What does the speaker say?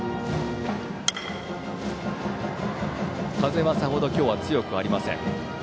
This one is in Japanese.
風はさほど今日は強くありません。